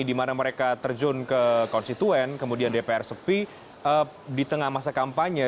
di mana mereka terjun ke konstituen kemudian dpr sepi di tengah masa kampanye